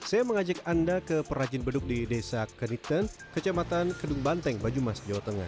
saya mengajak anda ke perajin beduk di desa kediten kecamatan kedung banteng banyumas jawa tengah